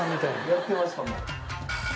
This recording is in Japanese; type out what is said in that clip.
やってましたね。